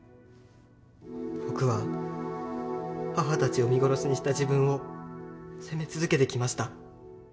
僕は母たちを見殺しにした自分を責め続けてきました。